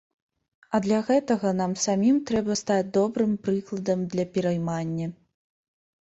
А для гэтага нам самім трэба стаць добрым прыкладам для пераймання.